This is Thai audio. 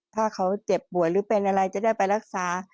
ถ้าเขาเจ็บป่วยหรือเป็นอะไรจะได้ไปรักษา